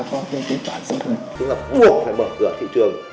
so với trước thì là nó cũng đã có cái kế hoạch sử dụng